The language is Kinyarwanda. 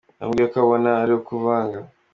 Yamubwiye ko abona ko ari ukuvanga.